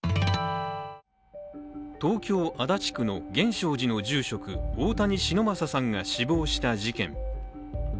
東京・足立区の源証寺の住職大谷忍昌さんが死亡した事件。